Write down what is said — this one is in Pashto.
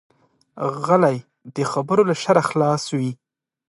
غلی، د خبرو له شره خلاص وي.